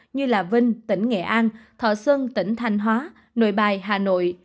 như là vinh tỉnh nghệ an thọ xuân tỉnh thanh hóa nội bài hà nội